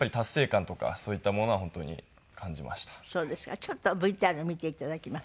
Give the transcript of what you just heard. ちょっとＶＴＲ見て頂きます。